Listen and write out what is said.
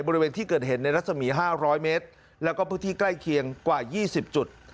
บริเวณที่เกิดเหตุในรัศมี๕๐๐เมตรแล้วก็พื้นที่ใกล้เคียงกว่า๒๐จุด